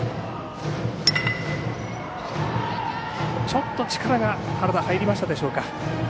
ちょっと力が、原田入りましたでしょうか。